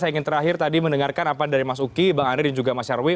saya ingin terakhir tadi mendengarkan apa dari mas uki bang andre dan juga mas nyarwi